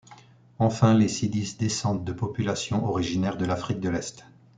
Enfin, les Sidis descendent de populations originaires de l'Afrique de l'Est.